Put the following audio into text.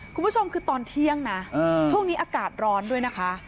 คุณผู้ชมคือตอนเที่ยงนะช่วงนี้อากาศร้อนด้วยนะคะ